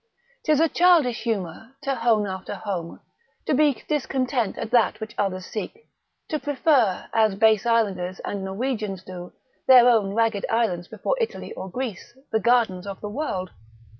'Tis a childish humour to hone after home, to be discontent at that which others seek; to prefer, as base islanders and Norwegians do, their own ragged island before Italy or Greece, the gardens of the world.